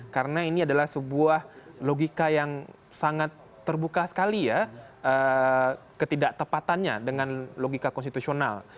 karena ini adalah sebuah logika yang sangat terbuka sekali ya ketidaktepatannya dengan logika konstitusional